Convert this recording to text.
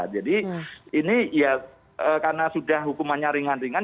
jadi ini ya karena sudah hukumannya ringan ringan